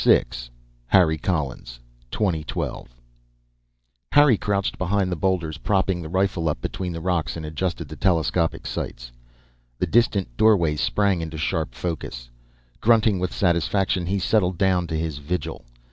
_ 6. Harry Collins 2012 Harry crouched behind the boulders, propping the rifle up between the rocks, and adjusted the telescopic sights. The distant doorway sprang into sharp focus. Grunting with satisfaction, he settled down to his vigil.